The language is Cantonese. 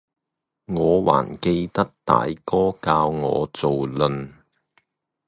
我還記得大哥教我做論，